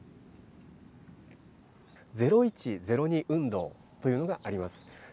０１０２運動というのがあります。